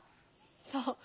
そう。